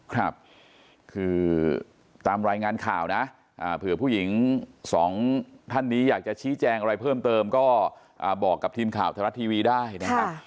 ครับคือตามรายงานข่าวนะเผื่อผู้หญิงสองท่านนี้อยากจะชี้แจงอะไรเพิ่มเติมก็บอกกับทีมข่าวไทยรัฐทีวีได้นะครับ